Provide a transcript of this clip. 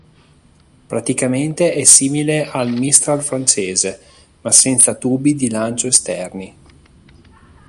Praticamente è simile al Mistral francese, ma senza tubi di lancio esterni.